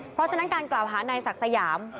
เพราะฉะนั้นการกล่าวหานายศักดิ์สยาม